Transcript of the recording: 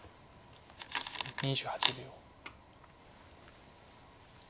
２８秒。